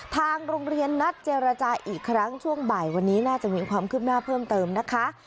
ทางโรงเรียนนัดเจรจาอีกครั้งช่วงบ่ายวันนี้น่าจะมีความคืบหน้าเพิ่มเติมนะคะ